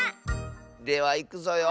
ではいくぞよ。